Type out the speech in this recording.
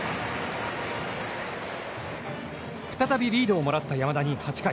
再びリードをもらった山田に、８回。